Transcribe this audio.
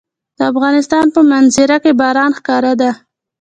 د افغانستان په منظره کې باران ښکاره ده.